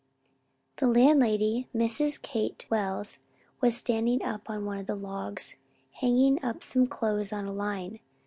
The landlady, Mrs. Kate Wells, was standing on one of the logs, hanging up some clothes on a line.